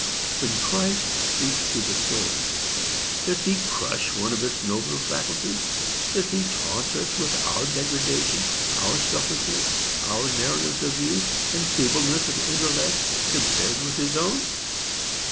When Christ speaks to the soul, does he crush one of its nobler faculties? Does he taunt us with our degradation, our selfishness, our narrowness of view, and feebleness of intellect, compared with his own?